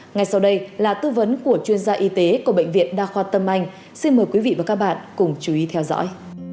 ngay sau đây là tư vấn của chuyên gia y tế của bệnh viện đa khoa tâm anh xin mời quý vị và các bạn cùng chú ý theo dõi